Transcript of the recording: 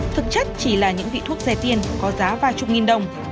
thực chất chỉ là những vị thuốc rẻ tiền có giá vài chục nghìn đồng